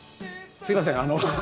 すみません。